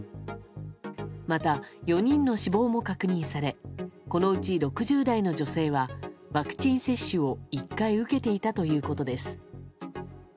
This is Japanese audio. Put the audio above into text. また、４人の死亡も確認されこのうち６０代の女性はワクチン接種を１回受けていたということです。